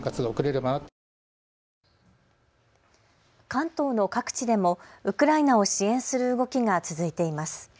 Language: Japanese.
関東の各地でもウクライナを支援する動きが続いています。